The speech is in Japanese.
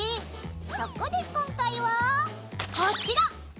そこで今回はこちら！